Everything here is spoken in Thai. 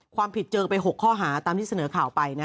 ความผิดเจอไป๖ข้อหาตามที่เสนอข่าวไปนะ